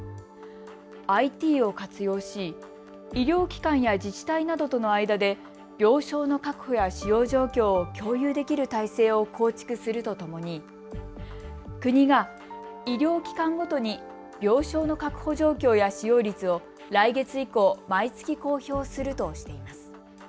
ＩＴを活用し医療機関や自治体などとの間で病床の確保や使用状況を共有できる体制を構築するとともに国が医療機関ごとに病床の確保状況や使用率を来月以降、毎月公表するとしています。